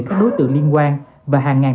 các đối tượng liên quan và hàng ngàn